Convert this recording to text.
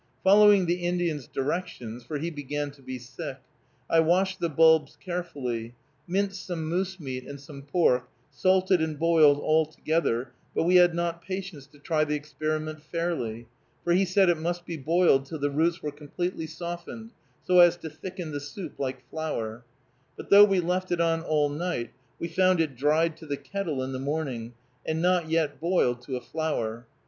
Following the Indian's directions, for he began to be sick, I washed the bulbs carefully, minced some moose meat and some pork, salted and boiled all together, but we had not patience to try the experiment fairly, for he said it must be boiled till the roots were completely softened so as to thicken the soup like flour; but though we left it on all night, we found it dried to the kettle in the morning, and not yet boiled to a flour.